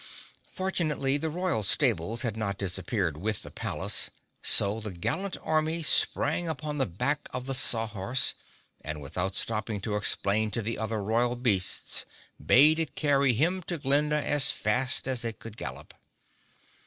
Fortunately the royal stables had not disappeared with the palace, so the gallant army sprang upon the back of the Saw Horse, and without stopping to explain to the other royal beasts, bade it carry him to Glinda as fast as it could gallop.